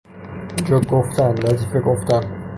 جوک گفتن، لطیفه گفتن